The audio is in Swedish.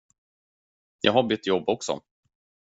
Jag har bytt jobb också.